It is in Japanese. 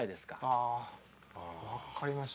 ああ分かりました。